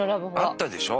あったでしょ？